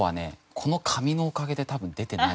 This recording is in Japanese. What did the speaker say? この紙のおかげで多分出てない。